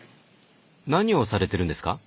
何をされてるんですか？